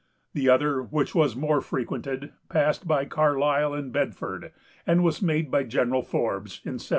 The other, which was the more frequented, passed by Carlisle and Bedford, and was made by General Forbes, in 1758.